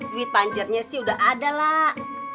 duit panjetnya sih udah ada lah